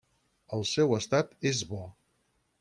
El seu estat és bo.